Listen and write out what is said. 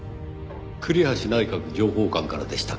栗橋内閣情報官からでしたか。